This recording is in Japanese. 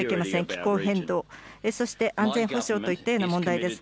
気候変動、そして安全保障といったような問題です。